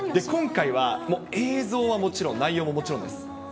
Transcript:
今回はもう映像はもちろん、内容ももちろんです。